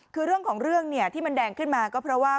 คือเรื่องของเรื่องเนี่ยที่มันแดงขึ้นมาก็เพราะว่า